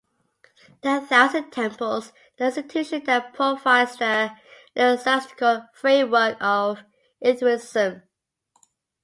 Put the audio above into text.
The Thousand Temples - The Institution that provides the ecclesiastical framework of Inrithism.